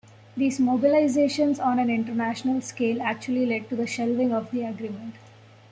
These mobilizations on an international scale actually led to the shelving of the agreement.